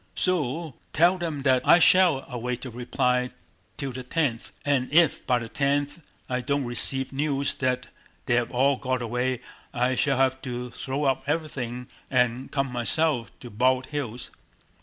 "So tell them that I shall await a reply till the tenth, and if by the tenth I don't receive news that they have all got away I shall have to throw up everything and come myself to Bald Hills."